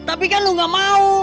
tapi kan lu gak mau